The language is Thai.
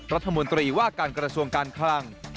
รัฐมนตรีว่าการกระทรวงการคลัง